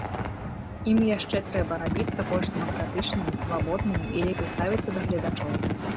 Ім яшчэ трэба рабіцца больш дэмакратычнымі, свабоднымі і лепей ставіцца да гледачоў.